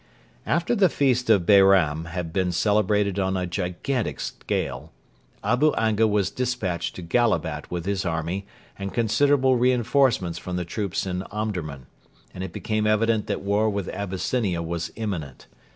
After the feast of Bairam had been celebrated on a gigantic scale, Abu Anga was despatched to Gallabat with his army and considerable reinforcements from the troops in Omdurman, and it became evident that war with Abyssinia was imminent.